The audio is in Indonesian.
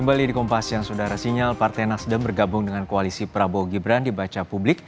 kembali di kompas yang sudah ada sinyal partai nasdem bergabung dengan koalisi prabowo gibran dibaca publik